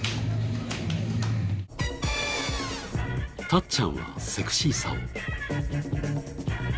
たっちゃんはセクシーさを。